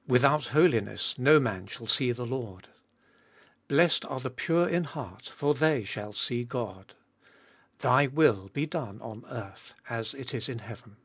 " Without holiness no man shall see the Lord." " Blessed are the pure in heart for they shall see God." " Thy will be done on earth as it is in heaven."